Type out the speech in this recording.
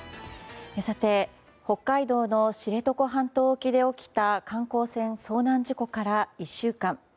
さて、北海道の知床半島沖で起きた観光船遭難事故から１週間。